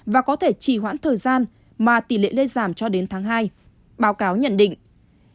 và có thể chỉ hoãn thời gian mà tỷ lệ lây giảm cho đến tháng hai báo cáo nhận định